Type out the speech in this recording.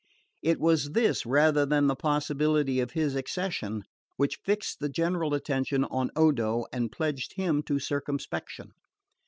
It was this, rather than the possibility of his accession, which fixed the general attention on Odo, and pledged him to circumspection.